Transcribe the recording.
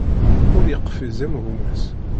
Ur yeqfiz am gma-s.